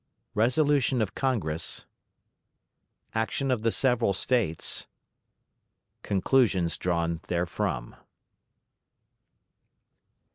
Resolution of Congress. Action of the Several States. Conclusions drawn therefrom.